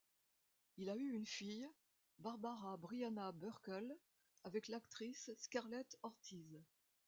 Il a eu une fille, Bárbara Briana Bürkle, avec l'actrice Scarlet Ortiz.